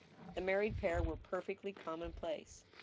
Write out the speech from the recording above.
The married pair were perfectly commonplace.